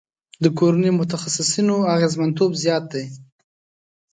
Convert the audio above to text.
د کورني متخصصینو اغیزمنتوب زیات دی.